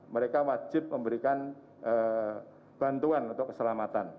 mereka wajib memberikan bantuan untuk keselamatan